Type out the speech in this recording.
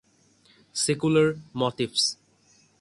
Secular motifs